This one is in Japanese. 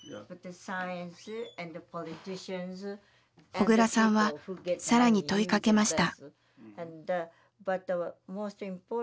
小倉さんは更に問いかけました。